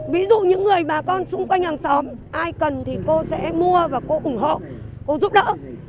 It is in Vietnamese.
ví dụ những người bà con xung quanh hàng xóm ai cần thì cô sẽ mua và cô ủng hộ cô giúp đỡ